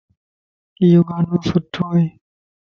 ايو ڳانو سٺو ائي.